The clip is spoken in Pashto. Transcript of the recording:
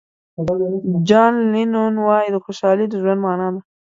جان لینون وایي خوشحالي د ژوند معنا ده.